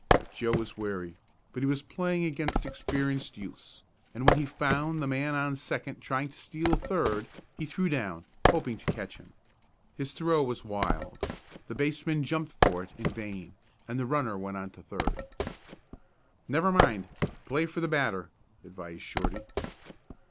Joe was wary, but he was playing against experienced youths, and when he found the man on second trying to steal third he threw down, hoping to catch him. His throw was wild, the baseman jumped for it in vain, and the runner went on to third. "Never mind play for the batter," advised Shorty.